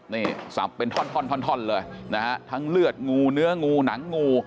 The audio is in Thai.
นี่สับเป็นท่อนเลยนะฮะทั้งเลือดงูเนื้องูหนังงู